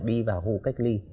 đi vào hồ cách ly